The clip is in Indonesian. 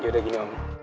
ya sudah gini om